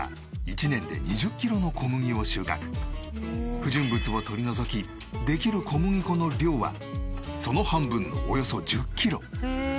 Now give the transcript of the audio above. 不純物を取り除きできる小麦粉の量はその半分のおよそ１０キロ。